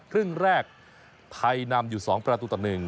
ครึ่งแรกไทยนำอยู่๒ประตูต่อ๑